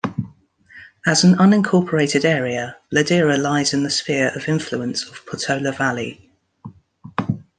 As an unincorporated area, Ladera lies in the sphere of influence of Portola Valley.